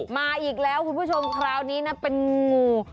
มาอีกแล้วคุณผู้ชมคราวนี้นะเป็นงู